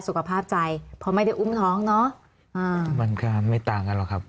สุขภาพใจเพราะไม่ได้อุ้มท้องเนอะอ่ามันก็ไม่ต่างกันหรอกครับ